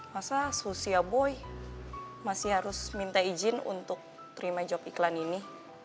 masa susia boy masih harus minta izin untuk terima job iklan ini